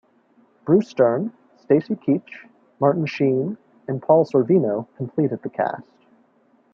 Bruce Dern, Stacy Keach, Martin Sheen, and Paul Sorvino completed the cast.